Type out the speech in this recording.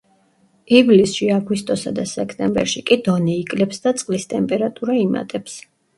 ივლისში, აგვისტოსა და სექტემბერში კი დონე იკლებს და წყლის ტემპერატურა იმატებს.